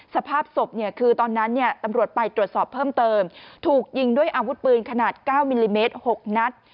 สภาพศพเนี่ยคือตอนนั้นตำรวจไปตรวจสอบเพิ่มเติมถูกยิงด้วยอาวุธปืนขนาด๙มิลลิเมตร๖นัด